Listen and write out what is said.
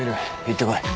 行ってこい。